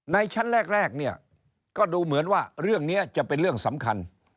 ชั้นแรกเนี่ยก็ดูเหมือนว่าเรื่องนี้จะเป็นเรื่องสำคัญ